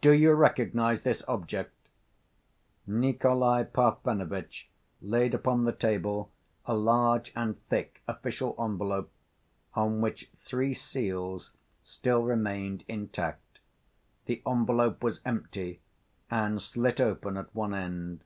"Do you recognize this object?" Nikolay Parfenovitch laid upon the table a large and thick official envelope, on which three seals still remained intact. The envelope was empty, and slit open at one end.